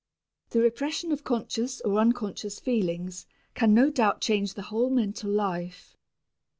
The repression of conscious or unconscious feelings can no doubt change the whole mental life.